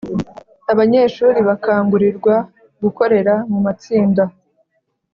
abanyeshuri bakangurirwa gukorera mu matsinda